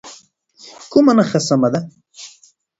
کومه نښه سمه ده؟